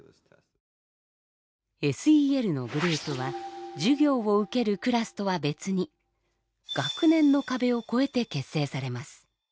ＳＥＬのグループは授業を受けるクラスとは別に学年の壁を超えて結成されます。